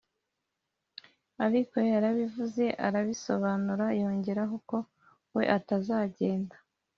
ariko yarabivuze arabisobanura yongeraho ko we atazagenda